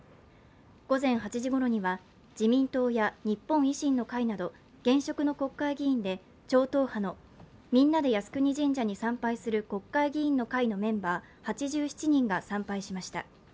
午前８時ごろには、自民党や日本維新の会など現職の国会議員で超党派のみんなで靖国神社に参拝する国会議員の会のメンバー８７人が参拝しました。